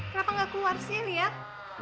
kenapa nggak keluar sih lihat